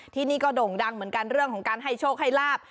ที่นี่ก็โด่งดังเหมือนกันเรื่องของการให้โชคให้ลาบ